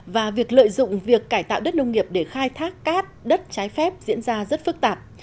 và việc lợi dụng việc cải tạo đất nông nghiệp để khai thác cát đất trái phép diễn ra rất phức tạp